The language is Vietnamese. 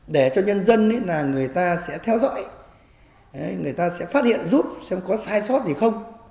để cho nhân dân người ta sẽ theo dõi người ta sẽ phát hiện giúp xem có sai sót gì không